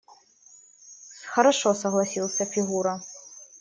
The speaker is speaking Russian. – Хорошо, – согласился Фигура.